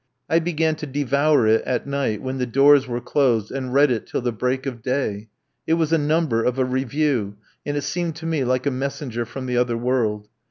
I began to devour it at night, when the doors were closed, and read it till the break of day. It was a number of a review, and it seemed to me like a messenger from the other world.